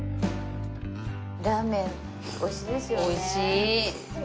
ラーメンおいしいですよね。